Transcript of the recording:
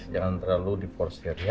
jangan terlalu diporsir ya